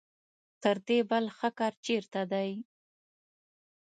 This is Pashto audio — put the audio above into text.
تر دې بل ښه کار چېرته دی.